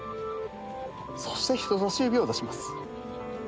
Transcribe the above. そして人さし指を出します。